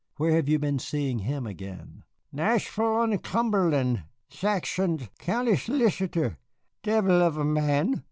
"Where have you been seeing him again?" "Nashville on Cumberland. Jackson'sh county sholicitor, devil of a man.